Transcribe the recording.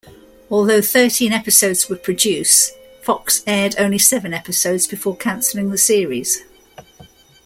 Although thirteen episodes were produced, Fox aired only seven episodes before canceling the series.